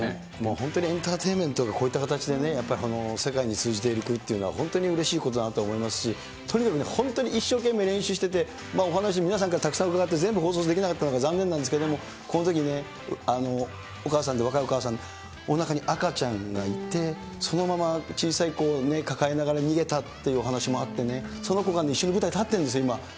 本当にエンターテインメントがこういった形でね、世界に通じていくというのは、本当にうれしいことだなと思いますし、とにかく本当に一生懸命練習してて、お話、皆さんからたくさん伺って、全部放送できなかったのが残念なんですけども、このときね、お母さんで、若いお母さん、おなかに赤ちゃんがいて、そのまま小さい子を抱えながら逃げたというお話もあってね、その子が一緒に舞台立ってるんですよ、今。